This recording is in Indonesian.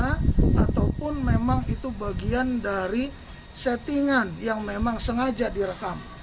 ataupun memang itu bagian dari settingan yang memang sengaja direkam